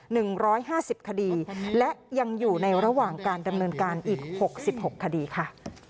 หนึ่งร้อยห้าสิบคดีและยังอยู่ในระหว่างการดำเนินการอีกหกสิบหกคดีค่ะ